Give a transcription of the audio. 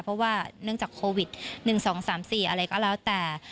เพราะว่าเนื่องจากโควิด๑๒๓๔อะไรก็แล้วแต่